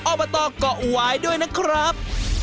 ออปเตอร์เกาะวายด้วยนะครับ